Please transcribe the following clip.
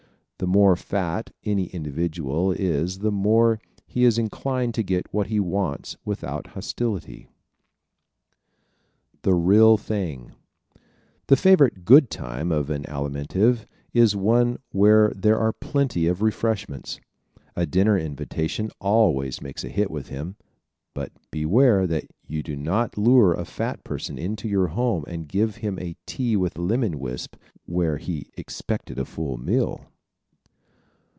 The more fat any individual is the more is he inclined to get what he wants without hostility. The Real Thing ¶ The favorite "good time" of the Alimentive is one where there are plenty of refreshments. A dinner invitation always makes a hit with him, but beware that you do not lure a fat person into your home and give him a tea with lemon wisp where he expected a full meal!